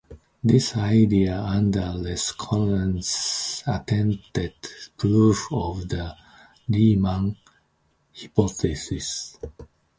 This idea underlies Connes's attempted proof of the Riemann hypothesis.